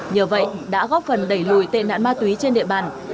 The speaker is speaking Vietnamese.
nhờ vậy đã góp phần đẩy lùi tệ nạn ma túy trên địa bàn